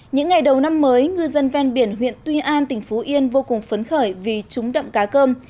những ngày đầu năm mới ngư dân ven biển huyện tuy an tỉnh phú yên vô cùng phấn khởi vì trúng đậm cá cơm